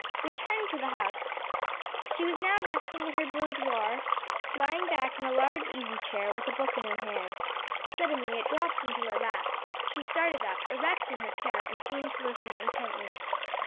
Returned to the house, she was now resting in her boudoir, lying back in a large easy chair with a book in her hand. Suddenly it dropped into her lap, she started up erect in her chair and seemed to listen intently.